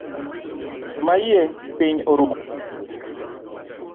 Mayie piny rumo